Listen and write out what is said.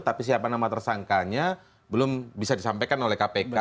tapi siapa nama tersangkanya belum bisa disampaikan oleh kpk